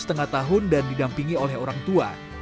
setengah tahun dan didampingi oleh orang tua